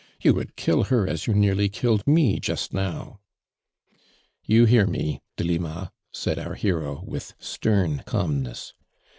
" You would kill her as you nearly killed me, just now." "You hoar me, Delima," said our hero, with stern calmness.